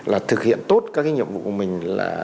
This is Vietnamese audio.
là thực hiện tốt các nhiệm vụ của mình